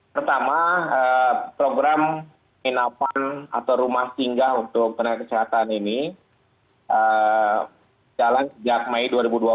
pertama program inapan atau rumah singgah untuk tenaga kesehatan ini jalan sejak mei dua ribu dua puluh